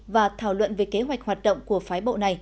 và thảo luận về kế hoạch hoạt động của phái bộ này